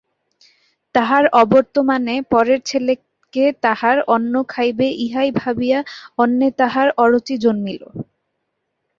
তাঁহার অবর্তমানে পরের ছেলে কে তাঁহার অন্ন খাইবে ইহাই ভাবিয়া অন্নে তাঁহার অরুচি জন্মিল।